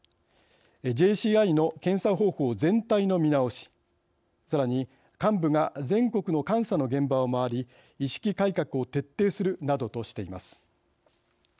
ＪＣＩの検査方法全体の見直しさらに幹部が全国の監査の現場を回り意識改革を徹底するなどとしています。